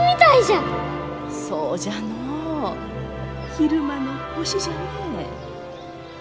昼間の星じゃね。